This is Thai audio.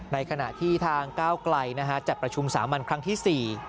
ในขณะที่ทางก้าวไกลจัดประชุมสามัญครั้งที่๔